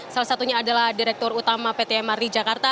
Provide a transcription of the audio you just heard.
salah satunya adalah direktur utama pt mrt jakarta